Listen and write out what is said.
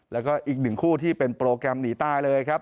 แล้วก็อีกหนึ่งคู่ที่เป็นโปรแกรมหนีตายเลยครับ